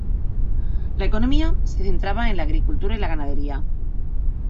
La economía se centra en la agricultura y la ganadería.